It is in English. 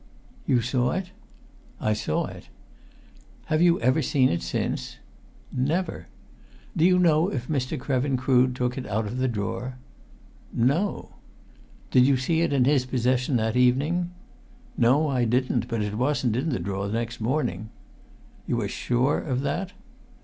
"You saw it?" "I saw it." "Have you ever seen it since?" "Never!" "Do you know if Mr. Krevin Crood took it out of the drawer?" "No!" "Did you see it in his possession that evening?" "No! I didn't. But it wasn't in the drawer next morning." "You are sure of that?"